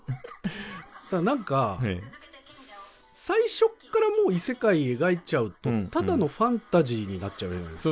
ただ何か最初からもう異世界描いちゃうとただのファンタジーになっちゃうじゃないですか。